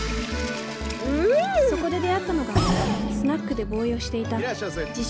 そこで出会ったのがスナックでボーイをしていた自称